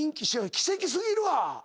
奇跡過ぎるわ。